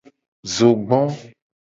Zogbo.